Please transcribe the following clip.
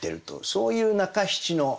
そういう中七の感じ。